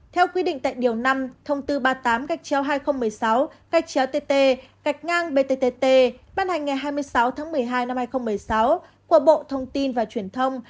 theo quy định tại điều năm thông tư ba mươi tám hai nghìn một mươi sáu tt bttt ban hành ngày hai mươi sáu một mươi hai hai nghìn một mươi sáu của bộ thông tin và truyền thông